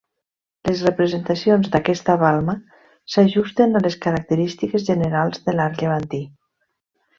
Les representacions d'aquesta balma s'ajusten a les característiques generals de l'art llevantí.